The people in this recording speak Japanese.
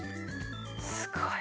すごい。